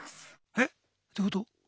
えっどういうこと？